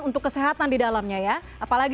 untuk kesehatan di dalamnya ya apalagi